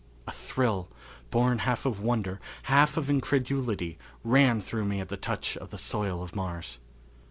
A thrill, born half of wonder, half of incredulity, ran through me at the touch of the soil of Mars.